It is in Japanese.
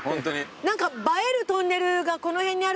何か映えるトンネルがこの辺にあるって。